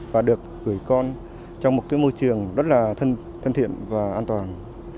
và được gửi con trong một cái môi trường rất là thân thiện và an toàn